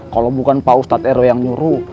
kalau bukan pak ustadz ero yang nyuruh